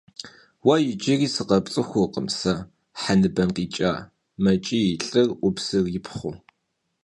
— Уэ иджыри сыкъэпцӏыхуркъым сэ, хьэ ныбэм къикӀа! — мэкӏий лӏыр ӏупсыр ипхъыу.